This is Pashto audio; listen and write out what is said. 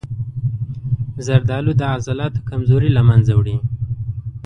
زردآلو د عضلاتو کمزوري له منځه وړي.